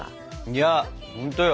いやほんとよ。